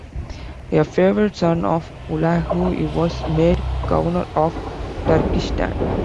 A favored son of Hulagu, he was made governor of Turkestan.